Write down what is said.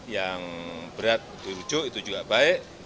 yang berat dirujuk itu juga baik